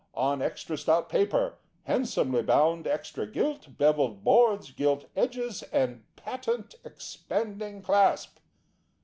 On extra stout paper, handsomely bound, extra gilt, bevelled boards, gilt edges, and patent expanding clasp.